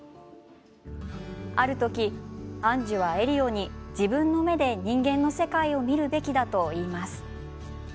ある時、アンジュはエリオに自分の目で人間の世界を見るべきだと言います。